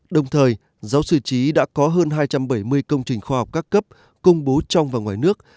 đồng thời giáo sư trí đã có hơn hai trăm bảy mươi công trình khoa học các cấp công bố trong và ngoài nước